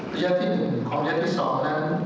ระยะที่๑ของระยะที่๒นั้น